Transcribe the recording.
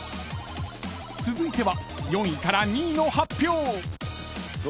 ［続いては４位から２位の発表］